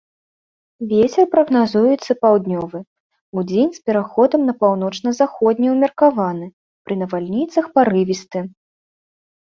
Вецер прагназуецца паўднёвы, удзень з пераходам на паўночна-заходні ўмеркаваны, пры навальніцах парывісты.